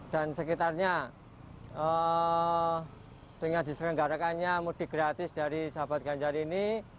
dan sekitarnya dengan diserenggaraannya mudik gratis dari sahabat ganjar ini